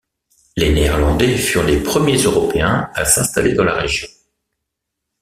Les Néerlandais furent les premiers Européens à s'installer dans la région.